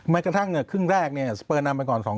กระทั่งครึ่งแรกเนี่ยสเปอร์นำไปก่อน๒๐